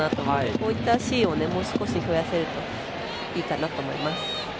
こういったシーンを、もう少し増やせるといいかなと思います。